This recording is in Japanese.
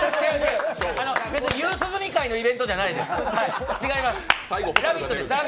別に夕涼み会のイベントじゃないです、「ラヴィット！」です。